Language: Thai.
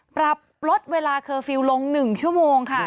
ปรับลดเวลาเคอร์ฟิลล์ลง๑ชั่วโมงค่ะ